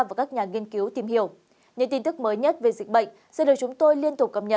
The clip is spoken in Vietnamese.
và các nhà nghiên cứu tìm hiểu